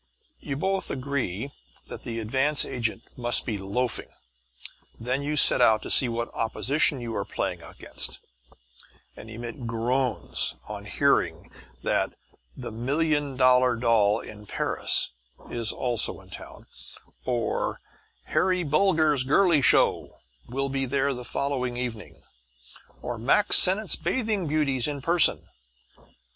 You both agree that the advance agent must be loafing. Then you set out to see what opposition you are playing against, and emit groans on learning that "The Million Dollar Doll in Paris" is also in town, or "Harry Bulger's Girly Show" will be there the following evening, or Mack Sennett's Bathing Beauties in Person.